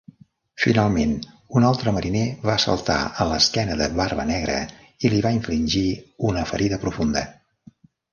Finalment, un altre mariner va saltar a l'esquena de Barbanegra i li va infligir una ferida profunda.